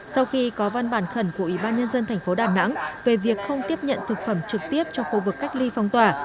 sau khi có văn bản khẩn của y bán nhân dân tp đà nẵng về việc không tiếp nhận thực phẩm trực tiếp cho khu vực cách ly phong tỏa